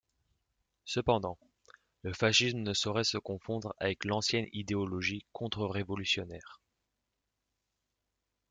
Cependant, le fascisme ne saurait se confondre avec l’ancienne idéologie contre-révolutionnaire.